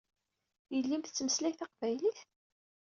Yelli-m tettmeslay taqbaylit?